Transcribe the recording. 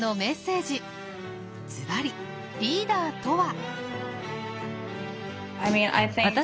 ずばりリーダーとは？